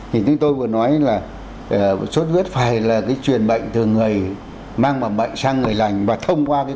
thì chúng tôi vừa nói là sốt huyết phải là cái truyền bệnh từ người mang bằng bệnh sang người lành